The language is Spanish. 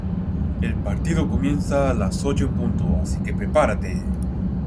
El partido comienza a las ocho en punto asique prepárate